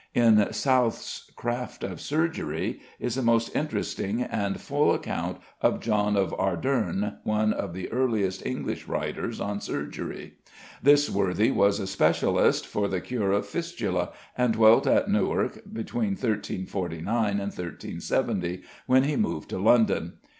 In South's "Craft of Surgery" is a most interesting and full account of =John of Arderne=, one of the earliest English writers on surgery. This worthy was a specialist for the cure of fistula, and dwelt at Newark between 1349 and 1370, when he moved to London.